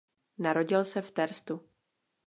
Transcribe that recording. Narodil se v Terstu.